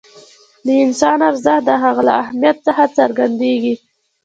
د انسان ارزښت د هغه له اهمیت څخه څرګندېږي.